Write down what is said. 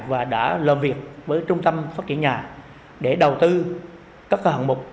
và đã làm việc với trung tâm phát triển nhà để đầu tư các hạng mục